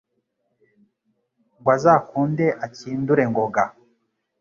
Ngo azakunde akindure Ngoga.